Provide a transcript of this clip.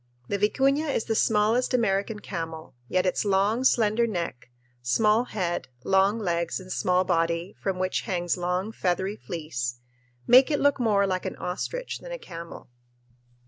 The vicuña is the smallest American "camel," yet its long, slender neck, small head, long legs, and small body, from which hangs long, feathery fleece, make it look more like an ostrich than a camel.